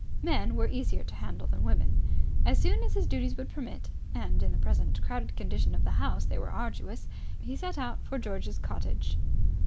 Men were easier to handle than women. As soon as his duties would permit and in the present crowded condition of the house they were arduous he set out for George's cottage.